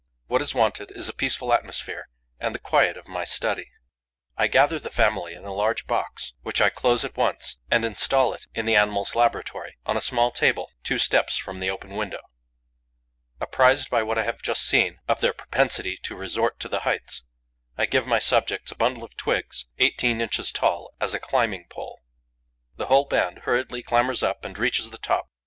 What is wanted is a peaceful atmosphere and the quiet of my study. I gather the family in a large box, which I close at once, and instal it in the animals' laboratory, on a small table, two steps from the open window. Apprised by what I have just seen of their propensity to resort to the heights, I give my subjects a bundle of twigs, eighteen inches tall, as a climbing pole. The whole band hurriedly clambers up and reaches the top.